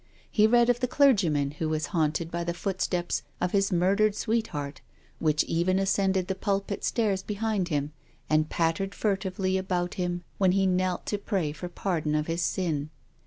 He read of the clergyman who was haunted by the footsteps of his murdered sweet heart, which even ascended the pulpit stairs be hind him, and pattered furtively about him when he knelt to pray for pardon of his sin.